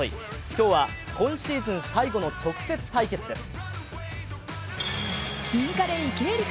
今日は今シーズン最後の直接対決です。